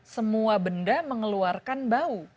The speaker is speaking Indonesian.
semua benda mengeluarkan bau